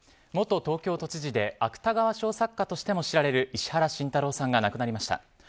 元東京都知事で芥川賞作家としても知られる石原慎太郎さんが亡くなりました。